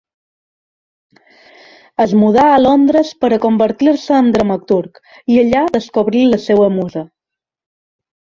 Es mudà a Londres per a convertir-se en dramaturg, i allà descobrí la seua musa.